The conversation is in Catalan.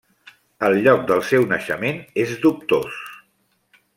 El lloc del seu naixement és dubtós.